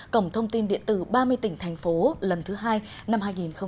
cổng thông tin điện tử ba mươi tỉnh thành phố lần thứ hai năm hai nghìn một mươi chín